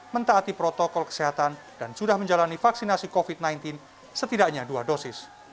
mentaati protokol kesehatan dan sudah menjalani vaksinasi covid sembilan belas setidaknya dua dosis